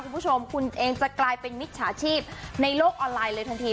คุณผู้ชมคุณเองจะกลายเป็นมิจฉาชีพในโลกออนไลน์เลยทันที